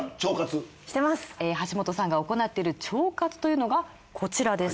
橋本さんが行っている腸活というのがこちらです。